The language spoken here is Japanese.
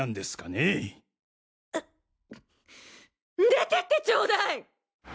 出てってちょうだい！